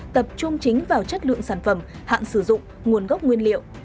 tập trung chính vào chất lượng sản phẩm hạn sử dụng nguồn gốc nguyên liệu